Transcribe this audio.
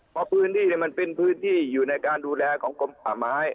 เพราะพื้นที่มันเป็นพื้นที่อยู่ในการดูแลของกรมป่าไม้